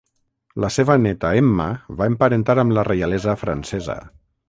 La seva néta Emma va emparentar amb la reialesa francesa.